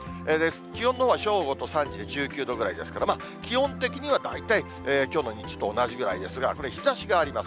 気温のほうは正午と３時で１９度ぐらいですから、気温的には大体きょうの日中と同じぐらいですが、これ日ざしがあります。